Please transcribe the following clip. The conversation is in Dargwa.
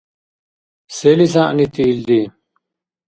Селис гӏягӏнити илди?